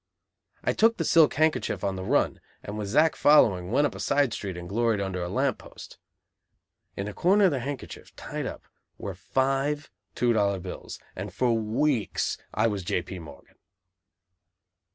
I took the silk handkerchief on the run, and with Zack following, went up a side street and gloried under a lamp post. In the corner of the handkerchief, tied up, were five two dollar bills, and for weeks I was J. P. Morgan.